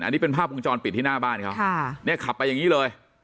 อันนี้เป็นภาพวงจรปิดที่หน้าบ้านเขาเนี่ยขับไปอย่างนี้เลย